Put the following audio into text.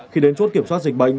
khi đến chốt kiểm soát dịch bệnh